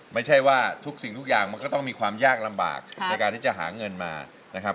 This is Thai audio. ไม่ใช่ว่าทุกสิ่งทุกอย่างมันก็ต้องมีความยากลำบากในการที่จะหาเงินมานะครับ